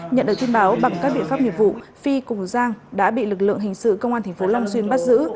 nhận được tin báo bằng các biện pháp nhiệm vụ phi cùng giang đã bị lực lượng hình sự công an thành phố long xuyên bắt giữ